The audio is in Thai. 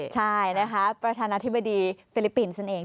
ใช่นะคะประธานาธิบดีฟิลิปปินส์นั่นเอง